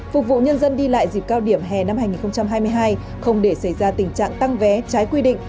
phục vụ nhân dân đi lại dịp cao điểm hè năm hai nghìn hai mươi hai không để xảy ra tình trạng tăng vé trái quy định